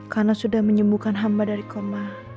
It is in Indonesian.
karena sudah menyembuhkan hamba dari koma